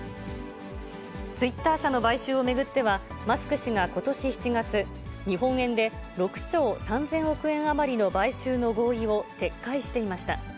ツイッター社の買収を巡っては、マスク氏がことし７月、日本円で６兆３０００億円余りの買収の合意を撤回していました。